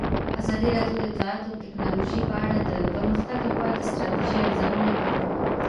ازادي راډیو د اطلاعاتی تکنالوژي په اړه د پرمختګ لپاره د ستراتیژۍ ارزونه کړې.